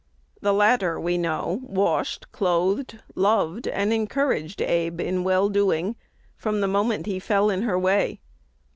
The latter, we know, washed, clothed, loved, and encouraged Abe in well doing, from the moment he fell in her way.